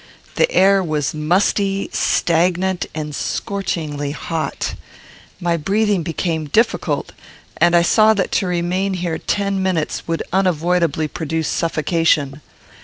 The air was musty, stagnant, and scorchingly hot. My breathing became difficult, and I saw that to remain here ten minutes would unavoidably produce suffocation.